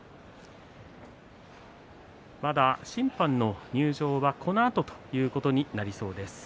まだ審判の入場はこのあとということになりそうです。